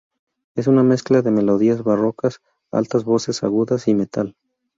Es una mezcla de melodías barrocas, altas voces agudas y metal.